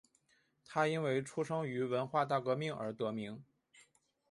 他因为出生于文化大革命而得名。